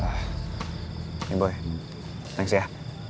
ini boy thanks ya